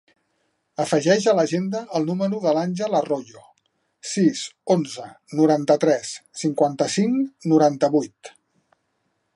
Afegeix a l'agenda el número de l'Àngel Arroyo: sis, onze, noranta-tres, cinquanta-cinc, noranta-vuit.